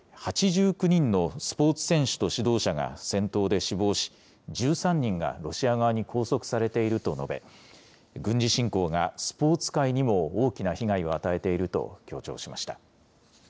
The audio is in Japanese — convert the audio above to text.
８９人のスポーツ選手と指導者が戦闘で死亡し、１３人がロシア側に拘束されていると述べ、軍事侵攻がスポーツ界にも大きな被害を与えていると強調しました。